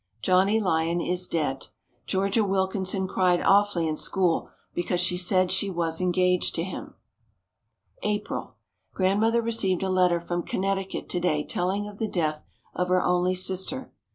Johnny Lyon is dead. Georgia Wilkinson cried awfully in school because she said she was engaged to him. April. Grandmother received a letter from Connecticut to day telling of the death of her only sister.